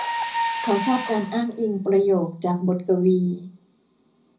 เขาชอบการอ้างอิงประโยคจากบทกวี